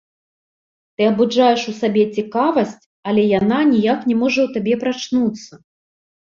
Ты абуджаеш у сабе цікавасць, але яна ніяк не можа ў табе прачнуцца.